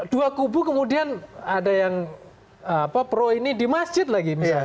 dua kubu kemudian ada yang pro ini di masjid lagi misalnya